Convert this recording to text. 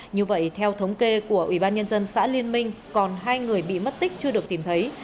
như vậy theo thống kê của ubnd xã liên minh còn hai người bị mất tích chưa được tìm thấy